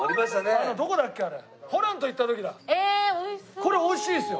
これ美味しいですよ。